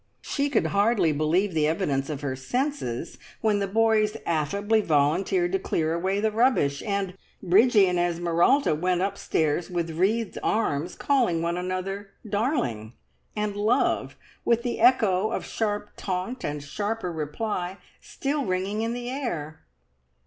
She could hardly believe the evidence of her senses when the boys affably volunteered to clear away the rubbish, and Bridgie and Esmeralda went upstairs with wreathed arms, calling one another "Darling" and "Love," with the echo of sharp taunt and sharper reply still ringing in the air!